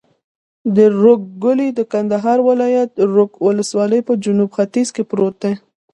د رګ کلی د کندهار ولایت، رګ ولسوالي په جنوب ختیځ کې پروت دی.